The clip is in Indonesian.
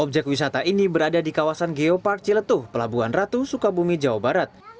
objek wisata ini berada di kawasan geopark ciletuh pelabuhan ratu sukabumi jawa barat